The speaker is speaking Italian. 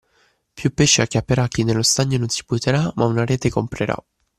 Più pesci acchiapperà chi nello stagno non si butterà ma una rete comprerà.